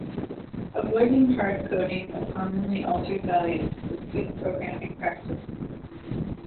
Avoiding hard-coding of commonly altered values is good programming practice.